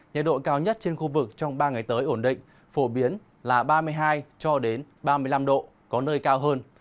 nhiệt độ cao nhất trên khu vực trong ba ngày tới ổn định phổ biến là ba mươi hai cho đến ba mươi năm độ có nơi cao hơn